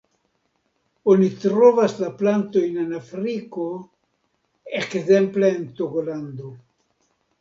Oni trovas la plantojn en Afriko ekzemple en Togolando.